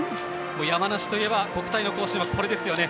山梨といえば国体の行進はこれですよね。